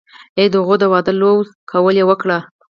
او د هغوي د وادۀ لوظ قول يې وکړۀ